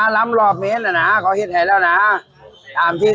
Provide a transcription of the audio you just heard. ล้ำรอบเม้นอ่ะน่ะขอเห็นให้แล้วน่ะตามที่